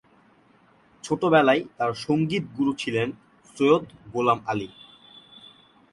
ছোটবেলায় তার সঙ্গীত গুরু ছিলেন সৈয়দ গোলাম আলী।